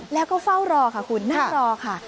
แล้วก็เฝ้ารอค่ะคุณนั่งรอค่ะ